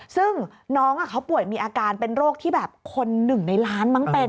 ซึ่งน้องเขาป่วยมีอาการเป็นโรคที่แบบคนหนึ่งในล้านมั้งเป็น